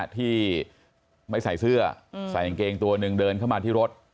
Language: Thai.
ที่ไม่ใส่เสื้อใส่กางเกงตัวหนึ่งเดินเข้ามาที่รถ